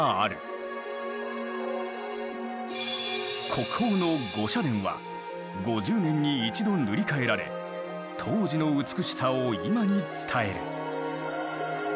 国宝の御社殿は５０年に１度塗り替えられ当時の美しさを今に伝える。